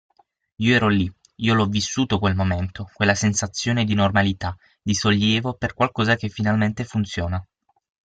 Io ero lì, io l'ho vissuto quel momento, quella sensazione di normalità, di sollievo per qualcosa che finalmente funziona.